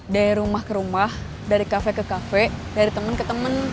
dari rumah ke rumah dari kafe ke kafe dari teman ke temen